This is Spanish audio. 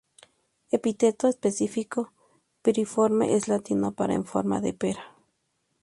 El epíteto específico piriforme es latino para "en forma de pera".